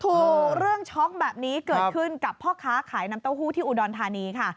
เรื่องช็อกแบบนี้เกิดขึ้นกับพ่อค้าขายน้ำเต้าหู้ที่อุดรธานีค่ะ